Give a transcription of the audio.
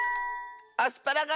アスパラガス！